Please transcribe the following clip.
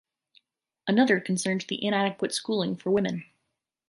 Another concerned the inadequate schooling for women.